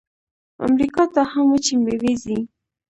امریکا ته هم وچې میوې ځي.